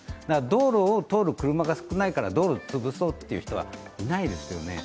道路を通る車が少ないから道路を潰そうという人はいないですよね。